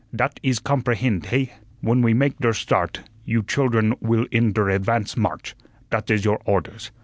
Dat is comprehend, hay? When we make der start, you childern will in der advance march. Dat is your orders.